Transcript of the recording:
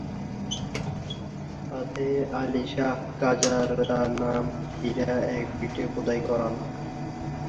Fatih Ali Shah Qajar তার নাম হীরা এক পিঠে খোদাই করান।